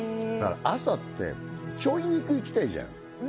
朝ってちょい肉いきたいじゃん